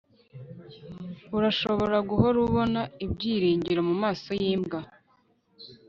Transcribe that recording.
urashobora guhora ubona ibyiringiro mumaso yimbwa